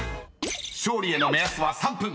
［勝利への目安は３分。